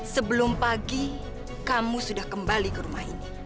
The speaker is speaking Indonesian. sebelum pagi kamu sudah kembali ke rumah ini